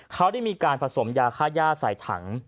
เขาได้มีการผสมยาค่าย่าใส่ถัง